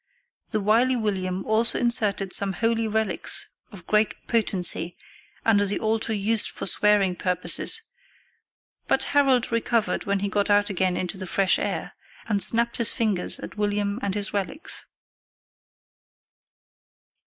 The wily William also inserted some holy relics of great potency under the altar used for swearing purposes, but Harold recovered when he got out again into the fresh air, and snapped his fingers at William and his relics.